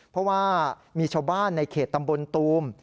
เพราะว่ามีชาวบ้านในเขตตำบลตูม